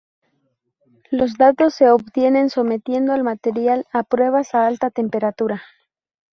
Los datos se obtienen sometiendo al material a pruebas a alta temperatura.